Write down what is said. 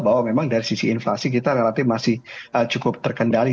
bahwa memang dari sisi inflasi kita relatif masih cukup terkendali